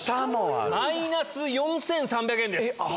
マイナス４３００円です。